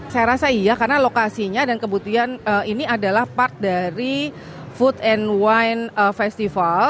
saya rasa iya karena lokasinya dan kebudian ini adalah part dari food and wine festival